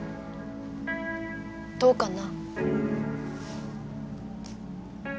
どうかな。